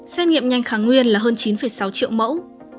xét nghiệm nhanh kháng nguyên là hơn chín sáu triệu mẫu